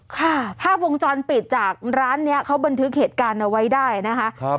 ภาพวงจรปิดจากร้านนี้เขาบันทึกเหตุการณ์เอาไว้ได้นะคะ